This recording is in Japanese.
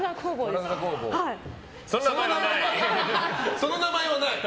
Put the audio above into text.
その名前はない。